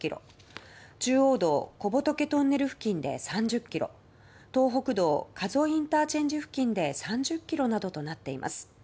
中央道小仏トンネル付近で３０ｋｍ東北道、加須ＩＣ付近で３０ｋｍなどとなっています。